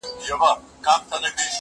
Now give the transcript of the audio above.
هر چيري چي ولاړ سې، دغه حال دئ.